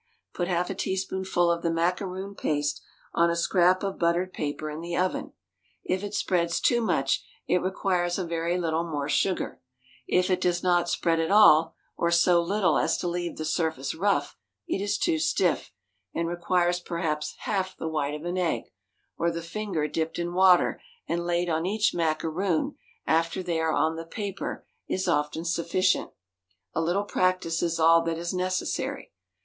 Put half a teaspoonful of the macaroon paste on a scrap of buttered paper in the oven. If it spreads too much it requires a very little more sugar; if it does not spread at all, or so little as to leave the surface rough, it is too stiff, and requires perhaps half the white of an egg, or the finger dipped in water and laid on each macaroon after they are on the paper is often sufficient a little practice is all that is necessary.